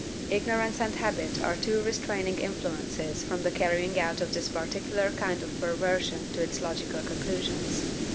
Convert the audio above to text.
Ignorance and habit are two restraining influences from the carrying out of this particular kind of perversion to its logical conclusions.